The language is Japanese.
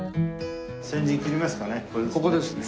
先陣切りますかね。